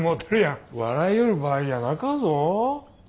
笑いよる場合じゃなかぞ！